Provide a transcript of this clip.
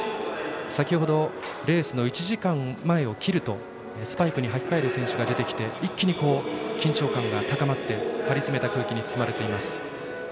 先ほどレースの１時間前を切るとスパイクに履き替える選手が出てきて一気に緊張感が高まって張り詰めた空気に包まれています。